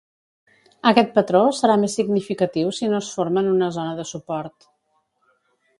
Aquest patró serà més significatiu si no es forma en una zona de suport.